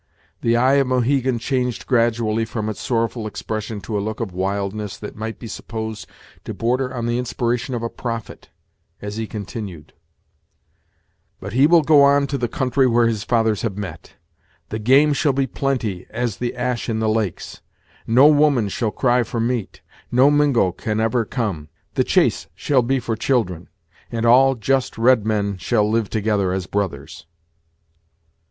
The eye of Mohegan changed gradually from its sorrowful expression to a look of wildness that might be supposed to border on the inspiration of a prophet, as he continued: "But he will go on to the country where his fathers have met. The game shall be plenty as the Ash in the lakes. No woman shall cry for meat: no Mingo can ever come The chase shall be for children; and all just red men shall live together as brothers."